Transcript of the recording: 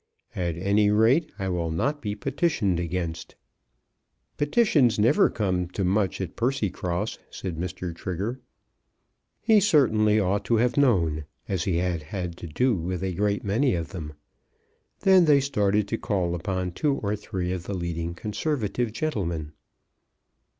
"At any rate I will not be petitioned against." "Petitions never come to much at Percycross," said Mr. Trigger. He certainly ought to have known, as he had had to do with a great many of them. Then they started to call upon two or three of the leading conservative gentlemen.